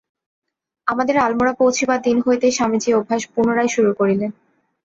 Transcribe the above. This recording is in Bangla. আমাদের আলমোড়া পৌঁছিবার দিন হইতেই স্বামীজী এই অভ্যাস পুনরায় শুরু করিলেন।